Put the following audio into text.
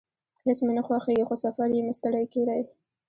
هیڅ مې نه خوښیږي، خو سفر یم ستړی کړی